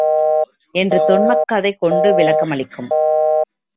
என்று தொன்மக் கதை கொண்டு விளக்கமளிக்கும்.